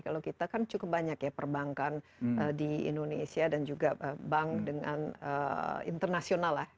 kalau kita kan cukup banyak ya perbankan di indonesia dan juga bank dengan internasional lah